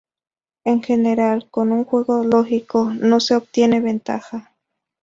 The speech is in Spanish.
En general, con un juego lógico no se obtiene ventaja.